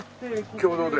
共同で。